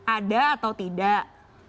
ada atau tidak